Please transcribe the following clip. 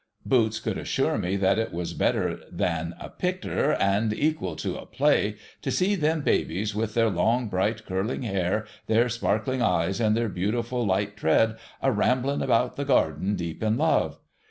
Boots could assure me that it was better than a picter, and equal to a play, to see them babies, with their long, bright, curling hair, their sparkling eyes, and their beautiful light tread, a rambling about the garden, deep in love.